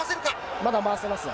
まだ回せますね。